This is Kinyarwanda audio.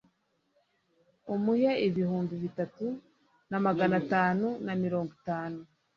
umuhe ibihumbi bitatu na magana atanu na mirongo itanu